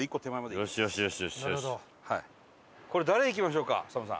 これ誰いきましょうか？